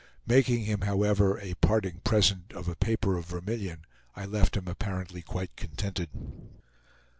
Making him, however, a parting present of a paper of vermilion, I left him apparently quite contented.